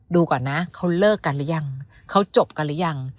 ดูก่อนนะเขาเลิกกันหรือยังเขาจบกันหรือยัง